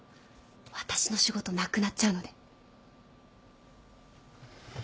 私の仕事なくなっちゃうので。